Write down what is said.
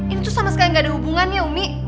ini tuh sama sekali gak ada hubungannya umi